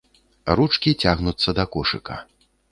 Ручкі цягнуцца да кошыка.